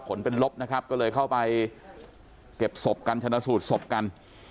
ผลเป็นลบนะครับก็เลยเข้าไปเก็บศพกันชนะสูตรศพกัน